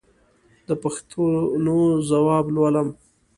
د پوښتنو ځواب لولم.